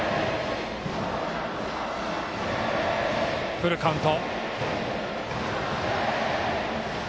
フルカウント。